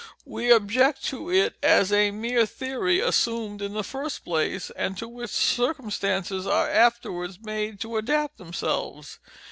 We object to it as a mere theory assumed in the first place, and to which circumstances are afterwards made to adapt themselves.